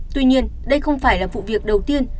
tuy nhiên đây không phải là vụ việc đầu tiên